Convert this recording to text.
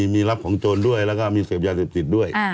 มีรับของโจรด้วยแล้วก็มีเสพยาเสพติดด้วย